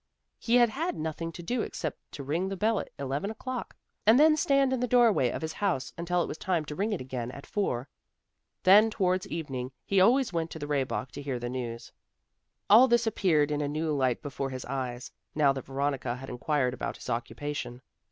He had had nothing to do except to ring the bell at eleven o'clock, and then stand in the door way of his house until it was time to ring it again at four. Then towards evening he always went to the Rehbock to hear the news. All this appeared in a new light before his eyes, now that Veronica had inquired about his occupation.